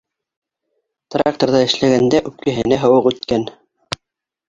Тракторҙа эшләгәндә үпкәһенә һыуыҡ үткән.